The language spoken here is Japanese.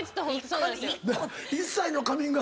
そうなんですよ。